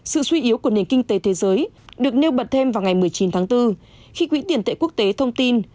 sự suy yếu của nền kinh tế thế giới được nêu bật thêm vào ngày một mươi chín tháng bốn khi quỹ tiền tệ quốc tế thông tin